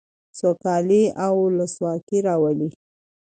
سوکالي او ولسواکي راولي.